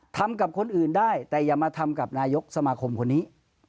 ทำกับคนอื่นได้แต่อย่ามาทำกับนายกสมาคมคนนี้